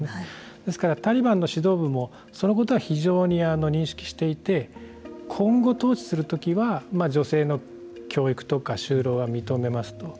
ですからタリバンの指導部もそのことは非常に認識していて今後統治するときは女性の教育とか就労は認めますと。